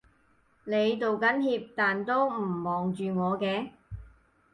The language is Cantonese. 你道緊歉但都唔望住我嘅